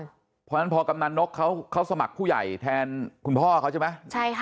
เพราะฉะนั้นพอกำนันนกเขาสมัครผู้ใหญ่แทนคุณพ่อเขาใช่ไหมใช่ค่ะ